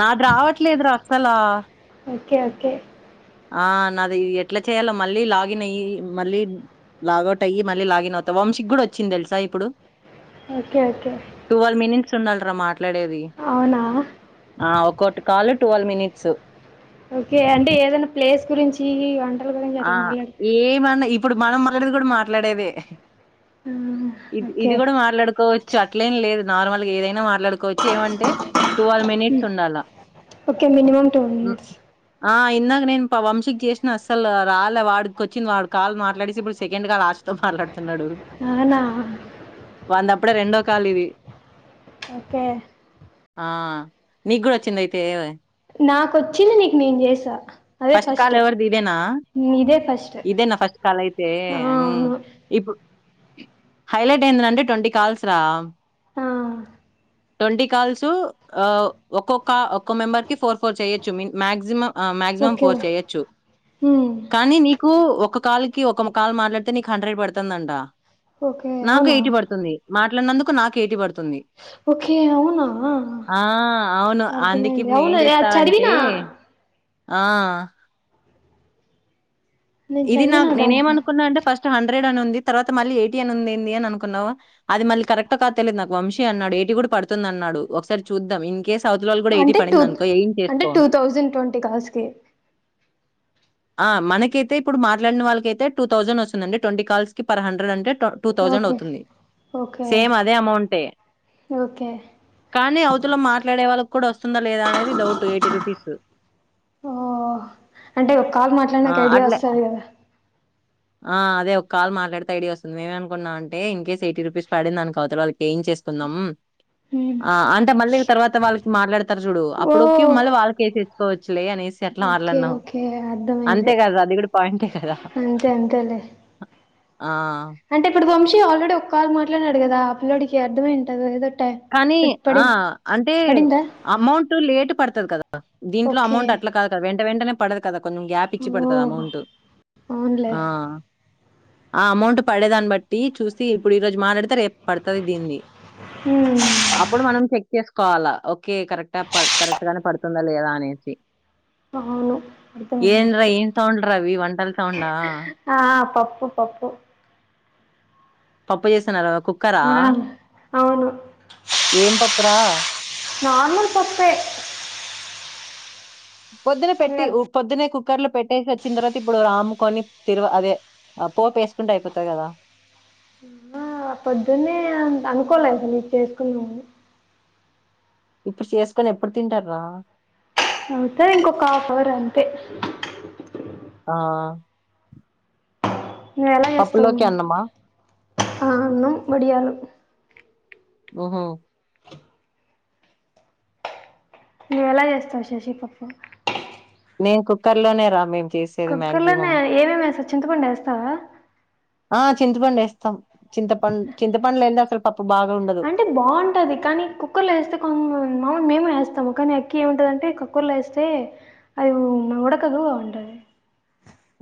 నాది రావట్లేదురా అస్సల ఓకే ఓకే ఆ నాది ఎట్లా చేయాలో మళ్ళీ లాగిన్ అయ్యి మళ్ళీ లాగౌట్ అయ్యి మళ్ళీ లాగిన్ అవుతా వంశీక్ కూడా వచ్చింది తెలుసా ఇప్పుడు ఓకే ఓకే ట్స్ ఉండాలి రా మాట్లాడేది అవునా ఆ ఒక్కోటి కాల్ టువల్ మినిట్స్ ఒకే అంటే ఏదన్న ప్లేస్ గురించి ఆన్ ఆ ఏమన్నా ఇప్ ఇప్పుడు మనం మాట్లాడేది కూడా మాట్లాడేదే ఆ, ఇది ఓకే ఇది కూడా మాట్లాడుకోవచ్చు అట్లేం లేదు. నార్మల్ గా ఏదైనా మాట్లాడుకోవచ్చు ఏమంటే టువల్ మినిట్స్ ఉండాలా okay minimum two um, minutes ఆ ఇందాక నేను ప వంశీకి చేసినాస్ సల్లో రాలే వాడికి వచ్చింది వాడు కాల్ మాట్లాడేసి ఇప్పుడు సెకండ్ కాల్ ఆషీ తో మాట్లాడు అవునా వానిది అప్పుడే రెండో కాల్ ఇది ఓకే ఆ నీకు కూడా వచ్చింద అయితే నాకొచ్చింది నీకు నేను చేసా అదే ఫస్ట్ అ ఇదే ఫస్ట్ ఇదే ఆ, నా ఫస్ట్ కాల్ అయితే ఉమ్ అవును ఇప్పుడు హైలైట్ ఏందిరంటే ట్వంటి కాల్స్ రా ఆ టొంటీ కాల్స్ ఆ ఒక్కొక్క ఒక్క మెంబర్ కి ఫోర్ ఫోర్ చేయొచ్చు మి మాక్సిమ ఆ మాక్సిమం ఓకే ఫోర్ చేయ్యొచ్చు ఉమ్, కానీ నీ నీకు ఒక కాల్ కి ఒక కాల్ మాట్లాడితే నీకు హండ్రెడ్ పడుతండట ఓకే నాకు అవునా ఎయిటీ పడుతుంది. మాట్లాడినందుకు నాకు ఎయిటి పడుతుంది ఓకే అవునా ఆ అవును అందుకే అర్థమైంది ఇప్పుడు నువ్వు అవునా ఏం అది చేస్తావంటే చదివినా ఆ నేను ఇది నాకు చదివినా నేను ఏం దానికి అనుకున్నా అంటే ఫస్ట్ హండ్రెడ్ హండ్రెడ్ అని ఉంది తరువాత మళ్ళీ ఎయిటి అని వుంది ఏది అని అనుకున్నావు. అది మళ్ళీ కరెక్ట్ ఓ కాదో తెలిదు నాకు వంశీ అన్నాడు ఎయిటి కూడా పడుతుంది అన్నాడు ఒకసారి చూద్దాం ఇన్ కేస్ అవతలోళ్ళకి కూడా అంటే టూత్ పడిందనుకో ఏం అంటే చేసుకో. టూ థౌజండ్ ట్వంటీ కాల్సకి ఆ మనకైతే ఇప్పుడు మాట్లాడిన వాళ్ళకైతే టూ థౌజండ్ వస్తుందండి ట్వంటీ కాల్స్ కి పర్ హండ్రెడ్ అంటే టూ థౌసండ్ ఓకే అవుతుంది ఓకే సేమ్ అదే అమౌంటె ఓకే కానీ అవతుల మాట్లాడే వాళ్ళ కుడోస్ వస్తుందా లేదా అనేది డౌట్ ఎయిటి రూపీస్ ఓ అంటే ఒక కాల్ ఆ! మాట్లాడానికి ఐడియా అట్లే వస్తాది కదా ఆ అదే ఒక కాల్ మాట్లాడితే ఐడి వస్తుంది మేమే అనుకున్నాం అంటే ఇన్ కేస్ ఎయిటీ రూపీస్ పడిందనుకో అవతల వాళ్ళకి చేయించేసుకుందాం మ్మ్. ఆ అంటే మళ్ళీ తర్వాత వాళ్ళకి మాట్లాడుతూ చూడు ఓ అప్పుడుకి మళ్ళీ వాళ్ళకేసేయోచ్చు కోచ్ లే అనేసి అట్లా ఓకే మాట్లాడినవ్ ఓకే అర్థమైంది అంతే కదా అది కూడా పాయింటే కదా అంతే అంతేలే ఆ శి ఆల్రెడీ ఒక కాలు మాట్లాడినాడు గాదా ఆ పిల్లోడికి అర్ధం అయింటుంది ఏదో టై కానీ పడి ఆ అంటే పడిందా అమౌంట్ లేటు పడుతది కదా దీంట్లో ఓకే అమౌంట్ అట్లా కాదు కదా వెంట వెంటనే పడదు కదా కొన్నిం గ్యాప్ ఇచ్చి ఓ పడుతది అమౌంట్ అవునులే ఆ ఆ అమౌంట్ పడేదాన్ని బట్టి చూసి ఇప్పుడు ఈ ఇప్పుడు రోజు మాట్లాడి రేప్ పడతది దీంది ఉమ్ అప్పుడు మనం చె చేసుకోవాలా ఓ ఓకే కరెక్టా ప కరెక్ట్ గానే పడుతదా లేదా అనేసి అవును అర్థమైంది ఏం రా ఇప్పుడు ఏం సౌండ్ రావి వంటల సౌండా ఆ పప్పు పప్పు పప్పు చేసన్నారు కుక్కరా ఆ అవును ఏం పప్పురా నార్మల్ పప్పే పొద్దున పెట్టి ఇవాళ. ఉ పొద్దున్న కుక్ కుక్కర్ లో పెట్టేసి వచ్చిన తర్వాత ఇప్పుడు రాముకొని తిరు అదే పోపు వేసుకుంటే అయిపోతది కదా ఆ పొద్దునే అనుకోలే అసలు నీ చేసుకున్నామని ఇప్పుడు చేసుకొని ఎప్పుడు తింటార్రా అవుతది ఇంకొక హాఫ్ అవర్ అంతే ఆ నువు ఎలా చేస్తావు పప్పులోకి అన్నమా అన్నం వడియాలు మ్మ్ నువ్వెలా చేస్తావ్ శశి పప్పు నే కుక్కర్ లోనే రా మేమ్ కుక్కర్లోనే ఏమేమి వేస్తావ్ చింతపండు వేస్తావా ఆ చింతపండేస్తాం బాగా ఉండదు అంటే బావుంటది కానీ కుక్కర్లో వేస్తే కమ్ గ్ మాముల్ మేము గూడా వేస్తామ్ తమ్ ముఖాన్ని అక్కి ఏముంటదంటే కుక్కర్ర్లో ఏస్తే అది ఉడకదు అంటది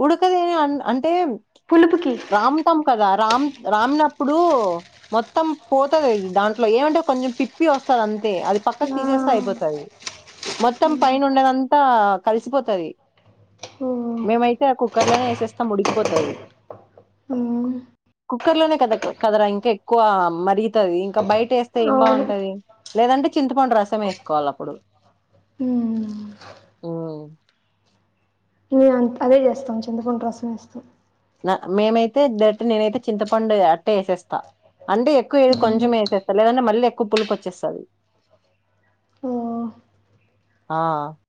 ఉడుకదెవ్ అని అంట్ టే మ్ పులుపుకి రామ్ టమ్ కదా రామ్ రామినప్పుడు మొత్తం పోతాది దాంట్లో ఏమంటే కొంచెం పిప్పి వస్తాది అంత్ తే అది పక్కకు ఆ, తీసేస్తే అయిపోతాది మొత్తం పైన ఉండేదంతా కల్సిపోతది ఓహో కుక్కర్లోనే వేసేస్తామ్ ఉడికిపోతది మ్మ్ కుక్కర్లోనే కదా కదరా ఇంకా ఎక్కువ మరిగతది ఇంకా బయట్ టేస్తే ఏమ్ అవును బావుంటది లేదంటే చింతపండు రసం వేస్కోవాలి అప్పుడు మ్మ్ మ్మ్ మేము అదే చేస్తాం చింతపండు రసం వేస్తాం మేమైతే డైరెక్ట్ నేనైతే చింతపండు అట్టే ఏసేస్తా అంటే ఎక్కువ ఏద్ కొంచెం ఏసేస్తా లేదంటే మళ్ళీ కు పులుపొచ్చేస్తాది ఓ ఆ